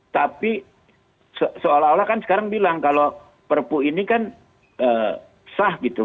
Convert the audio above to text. tapi seolah olah kan sekarang bilang kalau perpu ini kan sah gitu